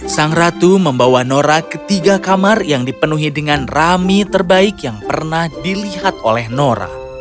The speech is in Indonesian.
sang ratu membawa nora ke tiga kamar yang dipenuhi dengan rami terbaik yang pernah dilihat oleh nora